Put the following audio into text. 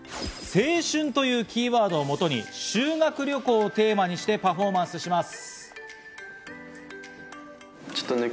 青春というキーワードをもとに、修学旅行をテーマにしてパフォーマンスします。